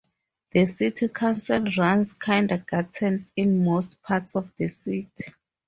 The city council runs kindergartens in most parts of the city.